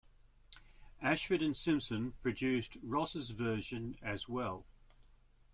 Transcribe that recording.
Ashford and Simpson produced Ross' version as well.